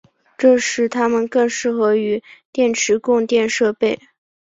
这使它们更适合于电池供电设备。